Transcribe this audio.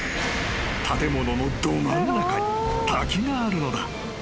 建物のど真ん中に滝があるのだ］